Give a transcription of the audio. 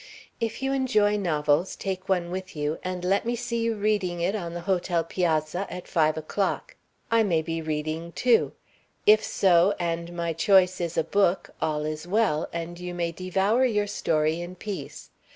If you enjoy novels, take one with you, and let me see you reading it on the hotel piazza at five o'clock. I may be reading too; if so, and my choice is a book, all is well, and you may devour your story in peace.